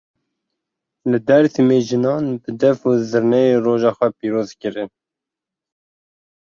Li Dêrsimê jinan bi def û zirneyê roja xwe pîroz kirin.